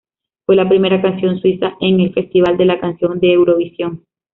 Fue la primera canción suiza en el Festival de la Canción de Eurovisión.